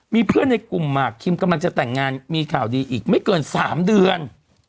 มีเพื่อนในกลุ่มหมากคิมกำลังจะแต่งงานมีข่าวดีอีกไม่เกิน๓เดือน